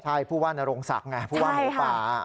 ใช่ผู้ว่านโรงศักดิ์ไงผู้ว่าหมูป่า